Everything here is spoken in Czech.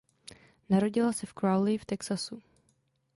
Narodila se v Crowley v Texasu.